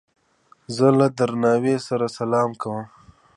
زه له درناوي سره سلام کوم.